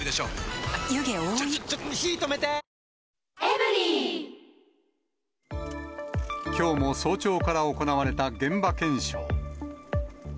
これ、きょうも早朝から行われた現場検証。